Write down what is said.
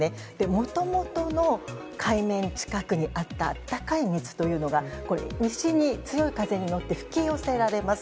もともとの海面近くにあった温かい水というのが西への強い風によって吹き寄せられます。